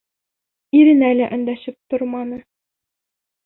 Иренә лә өндәшеп торманы.